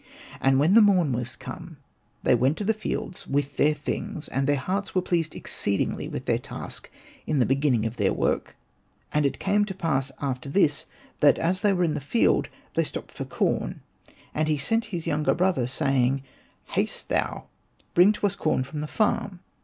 And when the morn was come, they went to the fields with their things ; and their hearts were pleased exceedingly with their task in the beginning of their work. And GOING TO THE FIELDS it came to pass after this that as they were in the field they stopped for corn, and he sent his younger brother, saying, ^' Haste thou, bring to us corn from the farm.